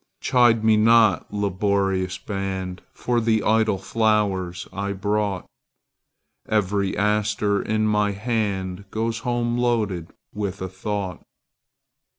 Chide me not, laborious band, For the idle flowers I brought; Every aster in my handGoes home loaded with a thought.